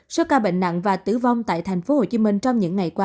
số ca bệnh nặng và tử vong tại thành phố hồ chí minh trong những ngày qua